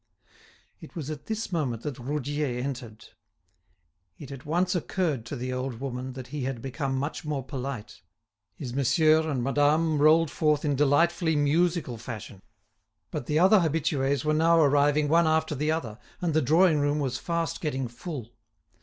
It was at this moment that Roudier entered. It at once occurred to the old woman that he had become much more polite. His "Monsieur" and "Madame" rolled forth in delightfully musical fashion. But the other habitués were now arriving one after the other; and the drawing room was fast getting full.